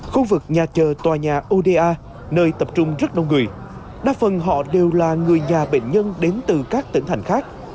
khu vực nhà chờ tòa nhà oda nơi tập trung rất đông người đa phần họ đều là người nhà bệnh nhân đến từ các tỉnh thành khác